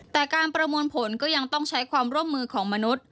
แต่การประมวลผลก็ยังต้องใช้ความร่วมมือของมนุษย์